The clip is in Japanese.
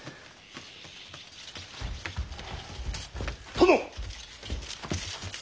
殿！